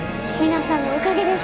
皆さんのおかげです。